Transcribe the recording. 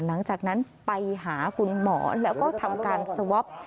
หลังจากนั้นไปหาคุณหมอแล้วก็ทำการสวอป